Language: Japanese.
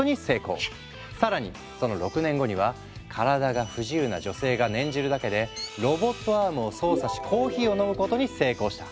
更にその６年後には体が不自由な女性が念じるだけでロボットアームを操作しコーヒーを飲むことに成功した。